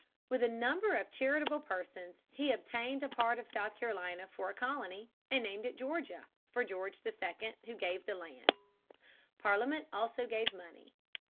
With a number of charitable persons he obtained a part of South Carolina for a colony, and named it Georgia for George II, who gave the land. Parliament also gave money.